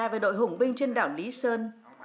về đội hùng binh trên đảo lý sơn